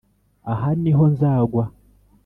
Aha ni ho nzagwa